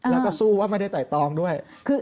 แล้วก็สู้ว่าไม่ได้ไต่ตองด้วย